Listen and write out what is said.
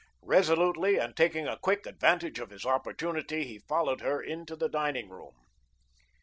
Resolutely, and taking a quick advantage of his opportunity, he followed her into the dining room.